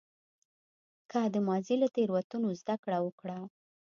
که د ماضي له تېروتنو زده کړه وکړه.